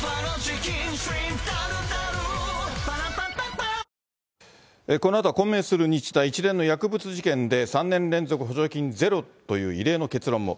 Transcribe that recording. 「はだおもいオーガニック」一連の薬物事件で３年連続補助金ゼロという異例の結論も。